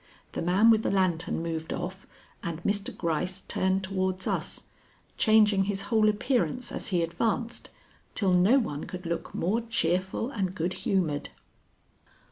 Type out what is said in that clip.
The man with the lantern moved off, and Mr. Gryce turned towards us, changing his whole appearance as he advanced, till no one could look more cheerful and good humored.